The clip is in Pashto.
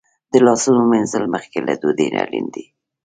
د لاسونو مینځل مخکې له ډوډۍ اړین دي.